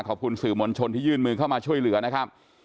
ขอบคุณสื่อมวลชนที่ยื่นมือเข้ามาช่วยเหลือนะครับ